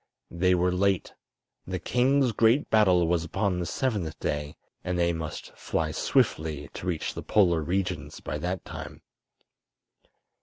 They were late. The king's great battle was upon the seventh day, and they must fly swiftly to reach the Polar regions by that time.